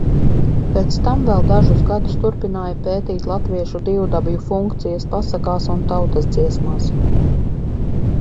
Pēc tam vēl dažus gadus turpināju pētīt latviešu divdabju funkcijas pasakās un tautas dziesmās.